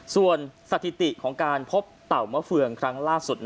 ส่วนสถิติของการพบเต่ามะเฟืองครั้งล่าสุด